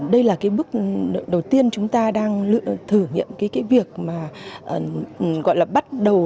đây là cái bước đầu tiên chúng ta đang thử nghiệm cái việc mà gọi là bắt đầu